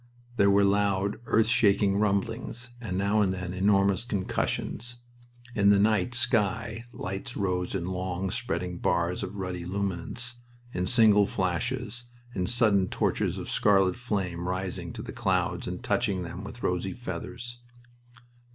There were loud, earth shaking rumblings, and now and then enormous concussions. In the night sky lights rose in long, spreading bars of ruddy luminance, in single flashes, in sudden torches of scarlet flame rising to the clouds and touching them with rosy feathers.